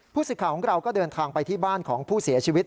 สิทธิ์ของเราก็เดินทางไปที่บ้านของผู้เสียชีวิต